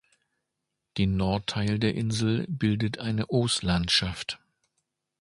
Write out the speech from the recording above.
Den Nordteil der Insel bildet eine Os-Landschaft.